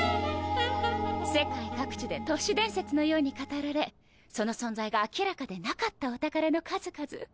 世界各地で都市伝説のように語られその存在が明らかでなかったお宝の数々。